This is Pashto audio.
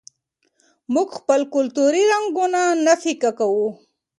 موږ خپل کلتوري رنګونه نه پیکه کوو.